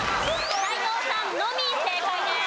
斎藤さんのみ正解です。